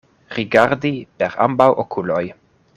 Rigardi per ambaŭ okuloj.